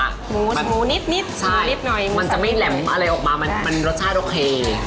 หมูหมูนิดหน่อยมันจะไม่แหลมอะไรออกมามันรสชาติโอเค